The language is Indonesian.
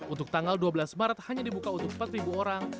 untuk tanggal dua belas maret hanya dibuka untuk empat orang